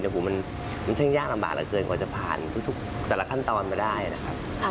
โอ้โหมันช่างยากลำบากเหลือเกินกว่าจะผ่านทุกแต่ละขั้นตอนมาได้นะครับ